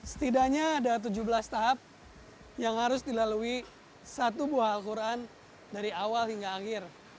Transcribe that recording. setidaknya ada tujuh belas tahap yang harus dilalui satu buah al quran dari awal hingga akhir